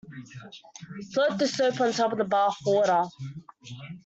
Float the soap on top of the bath water.